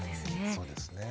そうですね。